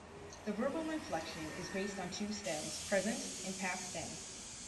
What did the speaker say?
The verbal inflection is based on two stems: present and past stem.